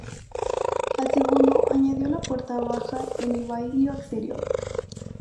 Al segundo, añadió la puerta baja en el bailío exterior.